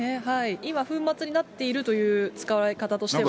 今、粉末になっているという使われ方としては。